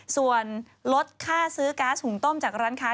ส่วนลดค่าซื้อก๊าซหุงต้มจากร้านค้า